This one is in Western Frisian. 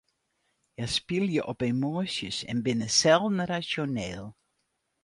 Hja spylje op emoasjes en binne selden rasjoneel.